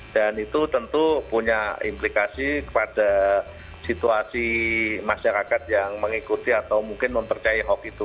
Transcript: itu tentu punya implikasi kepada situasi masyarakat yang mengikuti atau mungkin mempercayai hoax itu